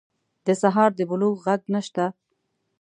د سهار د بلوغ ږغ نشته